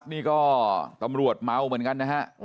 นี่ก็ตำรวจเมาเหมือนกันนะฮะ